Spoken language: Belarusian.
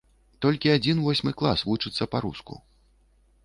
Толькі адзін восьмы клас вучыцца па-руску.